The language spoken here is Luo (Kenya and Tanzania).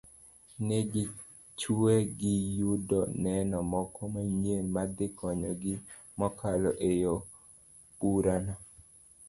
negichwe giyudo neno moko manyien madhi konyogi mokalo eyalo burano